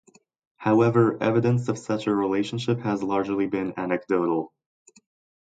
However, evidence of such a relationship has largely been anecdotal.